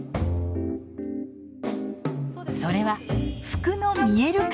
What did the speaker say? それは服の見える化。